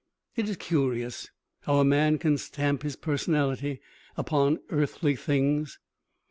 It is curious how a man can stamp his personality upon earthly things.